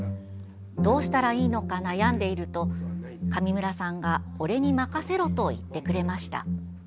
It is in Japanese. どうしたらいいのか悩んでいると上村さんが俺に任せろと言ってくれました。